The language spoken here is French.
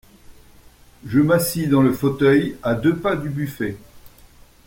Je m’assis dans le fauteuil, à deux pas du buffet.